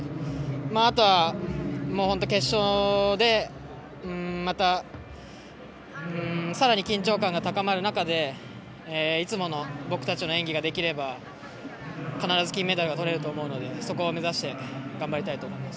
あとは決勝でまた、さらに緊張感が高まる中でいつもの僕たちの演技ができれば必ず金メダルがとれると思うのでそこを目指して頑張りたいと思います。